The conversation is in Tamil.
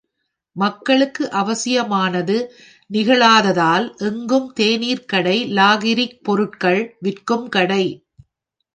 மக்களுக்கு அவசியமானது நிகழாததால் எங்கும் தேநீர்க்கடை லாகிரி பொருள்கள் விற்கும் கடை.